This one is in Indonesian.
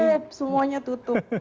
tutup semuanya tutup